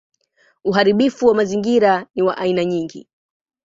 Uharibifu wa mazingira ni wa aina nyingi.